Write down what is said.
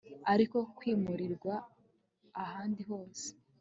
ariko kwimurirwa ahandi hose